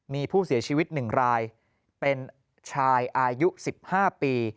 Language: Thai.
มีผู้เสียชีวิต๑รายเป็นชายอายุ๑๕ปี